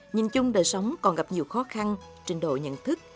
nhìn chung đời sống còn gặp nhiều khó khăn trình độ nhận thức